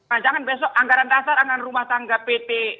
nah jangan besok anggaran dasar anggaran rumah tangga pt